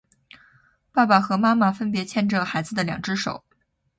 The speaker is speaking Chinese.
爸爸和妈妈分别牵着孩子的两只手